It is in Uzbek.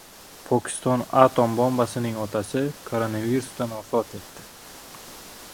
Pokiston atom bombasining otasi koronavirusdan vafot etdi